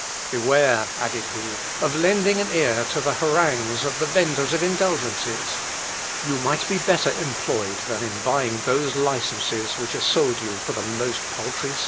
"Beware," added he, "of lending an ear to the harangues of the venders of indulgences; you might be better employed than in buying those licences which are sold you for the most paltry sum."